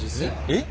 えっ？